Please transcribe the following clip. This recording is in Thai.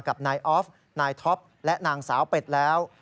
กับนายออฟนายท็อปและนางสาวเป็ดแล้ว